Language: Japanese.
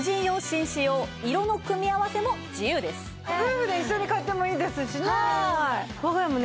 夫婦で一緒に買ってもいいですしね。